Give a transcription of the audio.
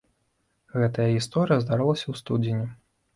Гэтая гісторыя здарылася ў студзені.